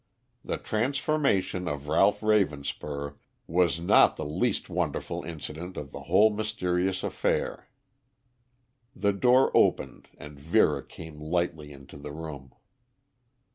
The transformation of Ralph Ravenspur was not the least wonderful incident of the whole mysterious affair. The door opened and Vera came lightly into the room.